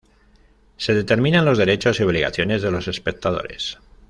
Se determinan los derechos y obligaciones de los espectadores.